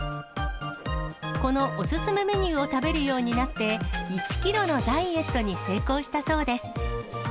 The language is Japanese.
このお勧めメニューを食べるようになって、１キロのダイエットに成功したそうです。